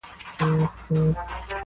o د مرگ څخه چاره نسته!